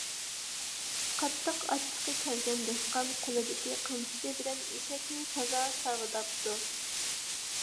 قاتتىق ئاچچىقى كەلگەن دېھقان قولىدىكى قامچىسى بىلەن ئېشەكنى تازا ساۋىداپتۇ.